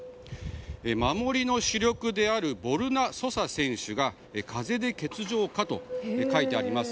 守りの主力であるボルナ・ソサ選手が風邪で欠場かと書いてあります。